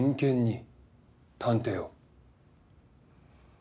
探偵を。